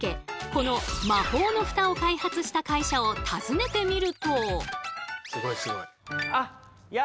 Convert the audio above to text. この魔法のフタを開発した会社を訪ねてみると。